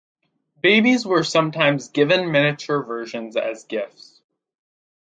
Babies were sometimes given miniature versions as gifts.